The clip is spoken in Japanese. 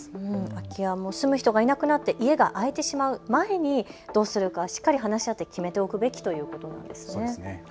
空き家も住む人がいなくなって家が空いてしまう前にどうするかしっかり話し合って決めておくべきということなんですね。